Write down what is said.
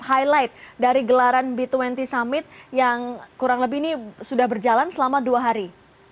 highlight dari gelaran b dua puluh summit yang kurang lebih ini sudah berjalan selama dua hari